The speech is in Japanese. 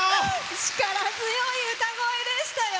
力強い歌声でしたよ。